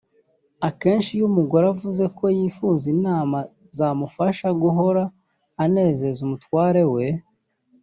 Akenshi iyo umugore avuze ko yifuza inama zamufasha guhora anezeza umutware we